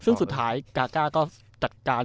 ซึ่งสุดท้ายกาก้าก็จัดการ